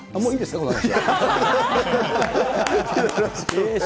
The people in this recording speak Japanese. この話は。